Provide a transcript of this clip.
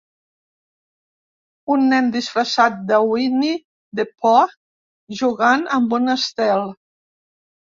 Un nen disfressat de Winnie de Pooh jugant amb un estel.